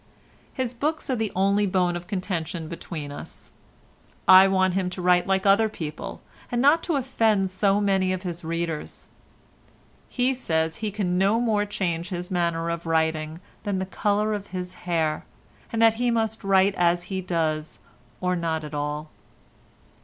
His books are the only bone of contention between us. I want him to write like other people, and not to offend so many of his readers; he says he can no more change his manner of writing than the colour of his hair, and that he must write as he does or not at all.